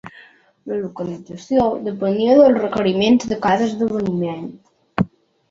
La localització depenia dels requeriments de cada esdeveniment.